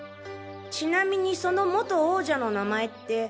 ちなみにその元王者の名前って。